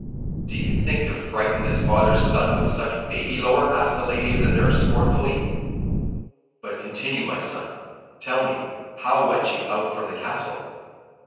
"Did you think to frighten his father's son with such baby lore?" asked the lady of the nurse, scornfully. "But continue, my son; tell me, how went you out from the castle?"